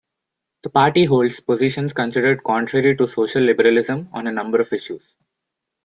The party holds positions considered contrary to social liberalism on a number of issues.